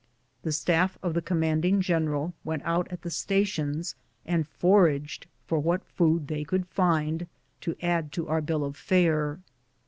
The staff of the Commanding General went out at the stations and foraged for what food they could find to add to our bill of fare.